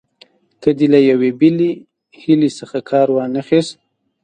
که دې له یوې بلې حیلې څخه کار وانه خیست.